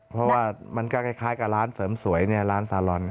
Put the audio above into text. เพราะว่ามันก็คล้ายกับร้านเสริมสวยร้านซาลอน